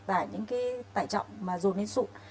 tại những cái tải trọng mà dồn lên sụn